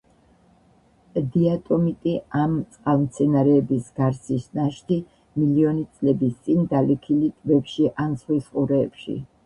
დიატომიტი, ამ წყალმცენარეების გარსის ნაშთი, მილიონი წლების წინ დალექილი ტბებში ან ზღვის ყურეებში.